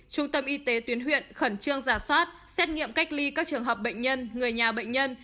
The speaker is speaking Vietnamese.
trung tâm y tế tuyến huyện khẩn trương giả soát xét nghiệm cách ly các trường hợp bệnh nhân người nhà bệnh nhân